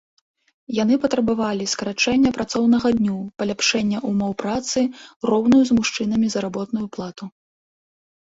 Яны патрабавалі скарачэння працоўнага дню, паляпшэння ўмоў працы, роўную з мужчынамі заработную плату.